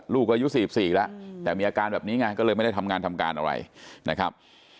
ลูกอายุ๔๔แล้วแต่มีอาการแบบนี้ไงก็เลยไม่ได้ทำงานทำการอะไรนะครับ